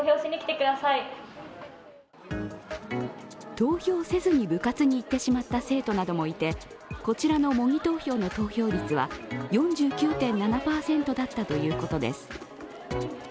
投票せずに部活に行ってしまった生徒などもいて、こちらの模擬投票の投票率は４９．７％だったということです。